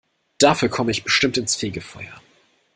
Dafür komme ich bestimmt ins Fegefeuer.